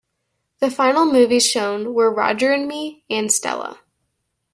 The final movies shown were Roger and Me and Stella.